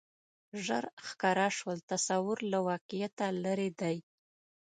ژر ښکاره شول تصور له واقعیته لرې دی